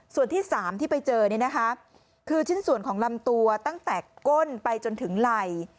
ส่วนที่๓ที่ไปเจอเนี่ยนะคะคือชิ้นส่วนของลำตัวตั้งแต่ก้นไปจนถึงไหล่